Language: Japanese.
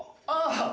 ああ。